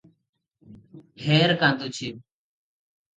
ଢେର କାନ୍ଦୁଛି ।